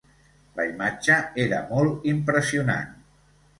La imatge era molt impressionant.